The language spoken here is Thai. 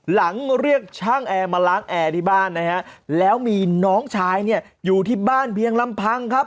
หลังเรียกช่างแอร์มาล้างแอร์ที่บ้านนะฮะแล้วมีน้องชายเนี่ยอยู่ที่บ้านเพียงลำพังครับ